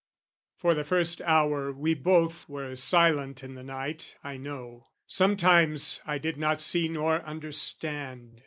For the first hour We both were silent in the night, I know: Sometimes I did not see nor understand.